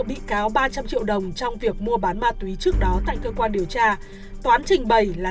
bị cáo ba trăm linh triệu đồng trong việc mua bán ma túy trước đó tại cơ quan điều tra toán trình bày là